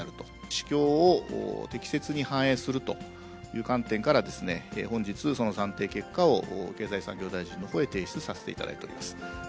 市況を適切に反映するという観点からですね、本日、その算定結果を経済産業大臣のほうへ提出させていただいております。